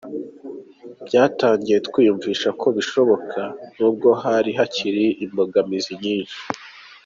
Byatangiye twiyumvisha ko bishoboka nubwo hari hakiri imbogamizi nyinshi.